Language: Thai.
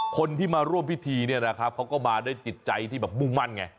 คนที่มาร่วมพิธีเนี่ยนะครับเขาก็มาด้วยจิตใจที่แบบมุ่งมั่นไง